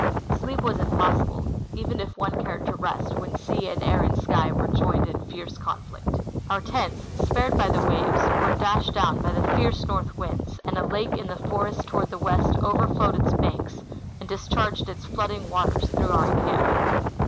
Sleep Avas impossible, even if one cared to rest AAdien sea and air and sky were joined in fierce conflict. Our tents, spared by the waves, Avere dashed doAvn by the fierce north Avinds, and a lake in the forest toAvard the Avest overfloAved its banks and discharged its flooding Avaters through our encampment.